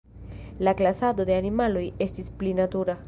La klasado de animaloj estis pli natura.